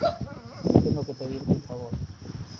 tengo que pedirte un favor.